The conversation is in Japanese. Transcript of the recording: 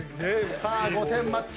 さあ５点マッチ。